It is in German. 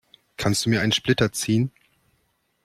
Kannst du mir einen Splitter ziehen?